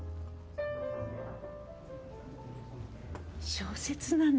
小説なの。